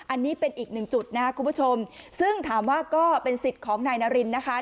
อันนี้เป็นอีกหนึ่งจุดนะครับคุณผู้ชมซึ่งถามว่าก็เป็นสิทธิ์ของนายนารินนะคะ